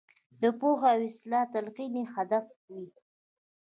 د پوهې او اصلاح تلقین یې هدف وي.